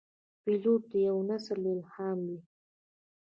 پیلوټ د یوه نسل الهام وي.